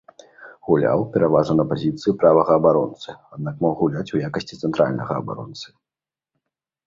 Гуляў пераважна на пазіцыі правага абаронцы, аднак мог гуляць у якасці цэнтральнага абаронцы.